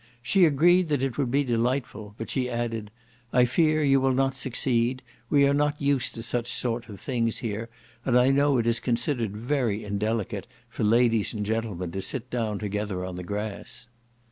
She agreed that it would be delightful, but she added, "I fear you will not succeed; we are not used to such sort of things here, and I know it is considered very indelicate for ladies and gentlemen to sit down together on the grass."